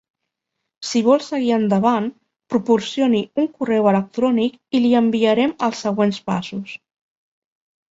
Si vol seguir endavant proporcioni un correu electrònic i li enviarem els següents passos.